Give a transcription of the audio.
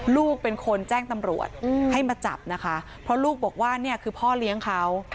ลูกเป็นคนแจ้งตำรวจให้มาจับนะคะเพราะลูกบอกว่าเนี่ยคือพ่อเลี้ยงเขา